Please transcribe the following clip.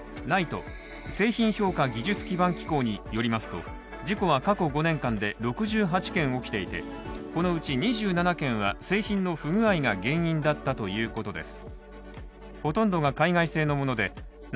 ＮＩＴＥ＝、製品評価技術基盤機構によりますと、事故は過去５年間で６８件起きていて、このうち２７件は製品の不具合が原因だったということです。